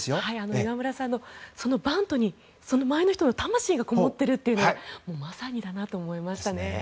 岩村さんのバントに前の人の魂がこもっているというのはまさにだなと思いましたね。